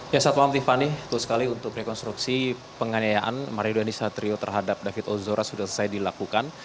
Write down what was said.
selamat malam tiffany untuk rekonstruksi penganiayaan mario dandisatrio terhadap david ozora sudah selesai dilakukan